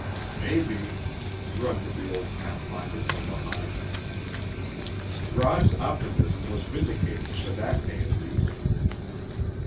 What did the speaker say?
"Mebby!" grunted the old pathfinder from behind. Rod's optimism was vindicated for that day, at least.